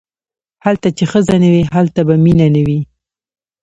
هلته چې ښځه نه وي هلته به مینه نه وي.